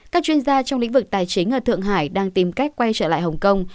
các chuyên gia trong lĩnh vực tài chính ở thượng hải đang tìm cách quay trở lại hồng kông